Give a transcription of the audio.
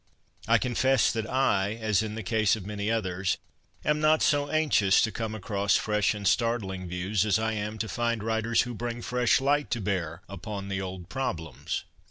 I confess that I, as in the case of many others, am not so anxious to come across fresh and startling views as I am to find writers who bring fresh light to bear upon the old problems.